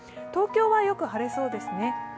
東京はよく晴れそうですね。